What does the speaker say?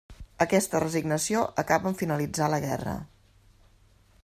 Aquesta resignació acaba en finalitzar la guerra.